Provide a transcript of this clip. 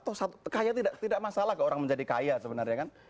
atau kaya tidak masalah ke orang menjadi kaya sebenarnya kan